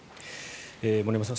森山さん